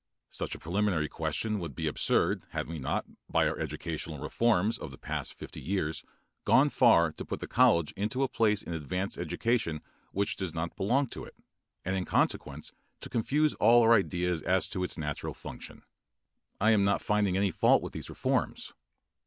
Such a preliminary question would be absurd had we not by our educational reforms of the past fifty years gone far to put the college into a place in advanced education which does not belong to it, and in consequence to confuse all our ideas as to its natural functions. I am not finding any fault with these reforms.